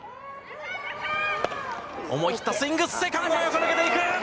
思い切ったスイング、セカンドを抜けていく。